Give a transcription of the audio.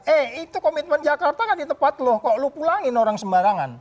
eh itu komitmen jakarta kan di tepat loh kok lo pulangin orang sembarangan